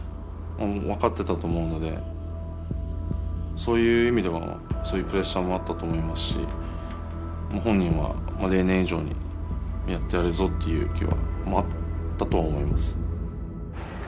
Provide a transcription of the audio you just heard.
そういう意味でもそういうプレッシャーもあったと思いますし本人は例年以上にやってやるぞっていう気はあったとは思います。